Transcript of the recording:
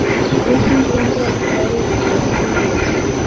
Es un centro habitado desde antiguo.